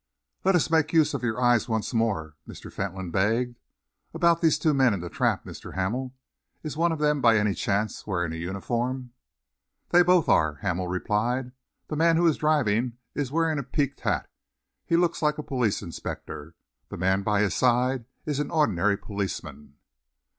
"Let me make use of your eyes once more," Mr. Fentolin begged. "About these two men in the trap, Mr. Hamel. Is one of them, by any chance, wearing a uniform?" "They both are," Hamel replied. "The man who is driving is wearing a peaked hat. He looks like a police inspector. The man by his side is an ordinary policeman."